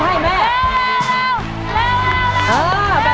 แม่แต่เด็กน้อยคอตั้งขวดเอาไว้แล้วกรอกไปขวด